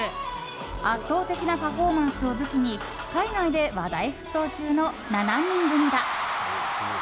圧倒的なパフォーマンスを武器に海外で話題沸騰中の７人組だ。